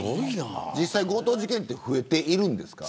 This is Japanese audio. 強盗事件は増えているんですか。